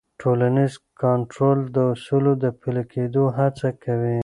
ټولنیز کنټرول د اصولو د پلي کېدو هڅه کوي.